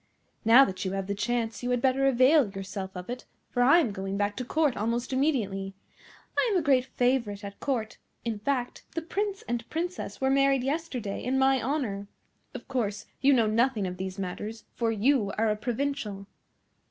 Now that you have the chance you had better avail yourself of it, for I am going back to Court almost immediately. I am a great favourite at Court; in fact, the Prince and Princess were married yesterday in my honour. Of course you know nothing of these matters, for you are a provincial."